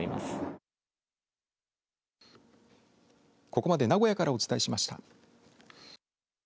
ここまで名古屋からお伝えしました。